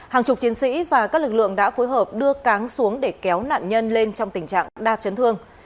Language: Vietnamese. hàng chục chiến sĩ và các lực lượng đã phối hợp đưa cáng xuống để kéo nạn nhân lên trong tình trạng đa chấn thương